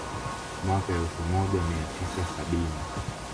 Mwaka elfu moja mia tisa sabini